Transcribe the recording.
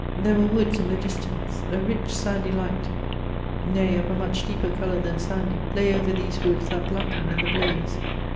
There were woods in the distance. A rich sandy light, (nay, of a much deeper colour than sandy,) lay over these woods that blackened in the blaze.